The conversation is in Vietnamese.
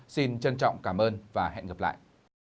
xin trân trọng cảm ơn và hẹn gặp lại